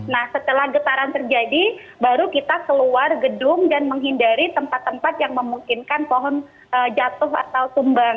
nah setelah getaran terjadi baru kita keluar gedung dan menghindari tempat tempat yang memungkinkan pohon jatuh atau tumbang